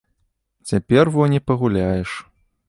Цяпер во не пагуляеш.